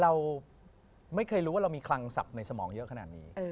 เราไม่เคยรู้ว่าเรามีคลังศัพท์ในสมองเยอะขนาดนี้